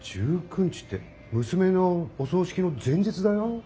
１９日って娘のお葬式の前日だよ？